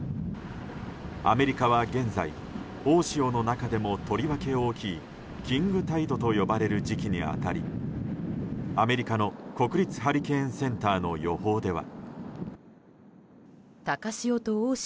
アメリカは現在、大潮の中でもとりわけ大きいキングタイドと呼ばれる時期に当たりアメリカの国立ハリケーンセンターの予報では。